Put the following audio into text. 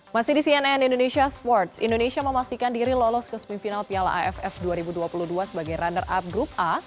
masih di cnn indonesia sports indonesia memastikan diri lolos ke semifinal piala aff dua ribu dua puluh dua sebagai runner up grup a